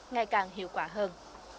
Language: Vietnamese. ngày càng hiệu quả hơn